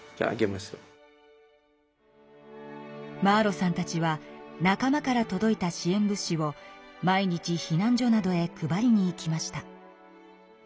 マーロさんたちは仲間からとどいた支えん物資を毎日避難所などへ配りに行きました。